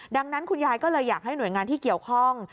ดังนั้นคุณยายก็เลยอยากให้หน่วยงานที่เกี่ยวข้อง